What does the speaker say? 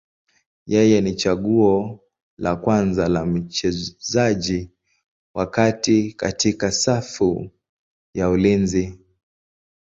Yeye ni chaguo la kwanza la mchezaji wa kati katika safu ya ulinzi.